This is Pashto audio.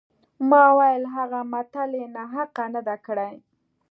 ما وویل هغه متل یې ناحقه نه دی کړی.